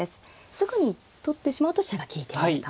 すぐに取ってしまうと飛車が利いていると。